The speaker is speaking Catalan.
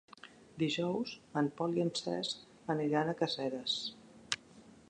Dijous en Pol i en Cesc aniran a Caseres.